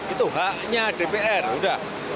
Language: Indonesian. itu haknya dpr udah